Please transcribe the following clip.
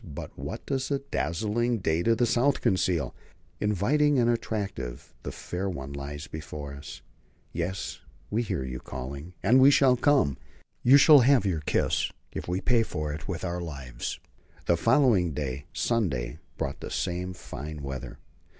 But what does the dazzling day to the south conceal? Inviting and attractive the fair one lies before us. Yes, we hear you calling, and we shall come. You shall have your kiss, if we pay for it with our lives. The following day Sunday brought the same fine weather.